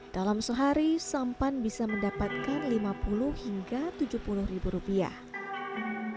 dalam sehari sampan bisa mendapatkan lima puluh hingga tujuh puluh ribu rupiah